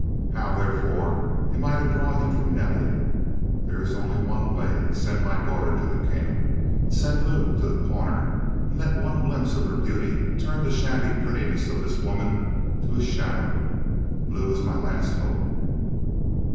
How, therefore, am I to draw him from Nelly? There is only one way: send my daughter to the camp send Lou to The Corner and let one glimpse of her beauty turn the shabby prettiness of this woman to a shadow! Lou is my last hope!"